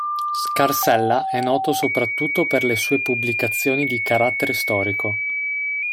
Scarsella è noto soprattutto per le sue pubblicazioni di carattere storico.